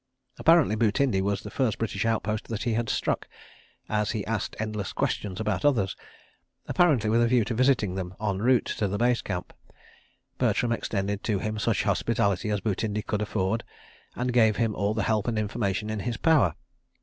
Apparently Butindi was the first British outpost that he had struck, as he asked endless questions about others—apparently with a view to visiting them en route to the Base Camp. Bertram extended to him such hospitality as Butindi could afford, and gave him all the help and information in his power.